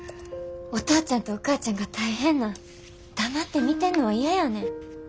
お父ちゃんとお母ちゃんが大変なん黙って見てんのは嫌やねん。